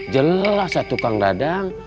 jelas ya tukang dadang